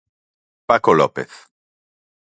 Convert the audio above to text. Paco López.